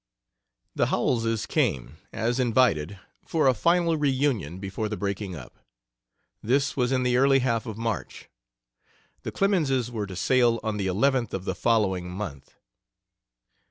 The Howellses came, as invited, for a final reunion before the breaking up. This was in the early half of March; the Clemenses were to sail on the 11th of the following month.